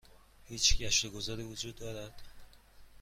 هیچ گشت و گذاری وجود دارد؟